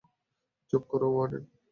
চুপ কর, ওয়ার্ডেন।